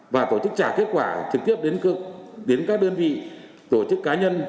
và tổ chức trả kết quả trực tiếp đến các đơn vị tổ chức cá nhân